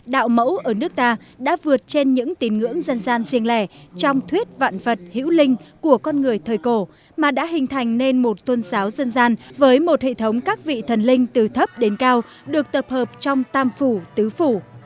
đạo mẫu ở nước ta đã vượt trên những tín ngưỡng dân gian riêng lẻ trong thuyết vạn vật hữu linh của con người thời cổ mà đã hình thành nên một tôn giáo dân gian với một hệ thống các vị thần linh từ thấp đến cao được tập hợp trong tam phủ tứ phủ